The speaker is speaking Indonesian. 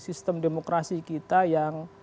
sistem demokrasi kita yang